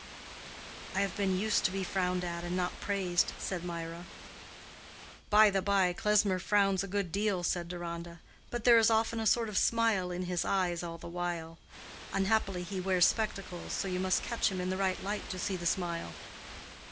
"I have been used to be frowned at and not praised," said Mirah. "By the by, Klesmer frowns a good deal," said Deronda, "but there is often a sort of smile in his eyes all the while. Unhappily he wears spectacles, so you must catch him in the right light to see the smile."